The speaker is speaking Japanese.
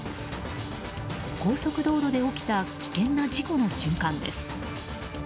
高速道路で起きた危険な事故の瞬間です。